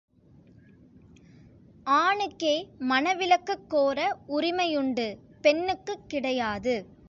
ஆணுக்கே மணவிலக்குக் கோர உரிமையுண்டு பெண்ணுக்குக் கிடையாது.